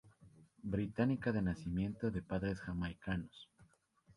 Británica de nacimiento, de padres jamaicanos.